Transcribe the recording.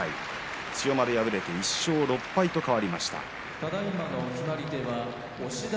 千代丸は敗れて１勝６敗と変わりました。